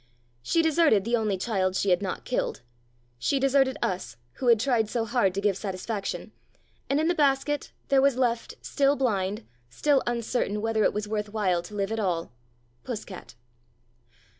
She deserted the only child she had not killed; she deserted us who had tried so hard to give satisfaction ; and in the basket there was left, still blind, still uncertain whether it was worth while to live at allj Puss cat.